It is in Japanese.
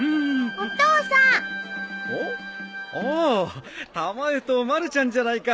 おおったまえとまるちゃんじゃないか。